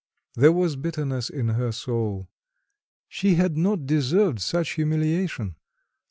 There was bitterness in her soul. She had not deserved such humiliation.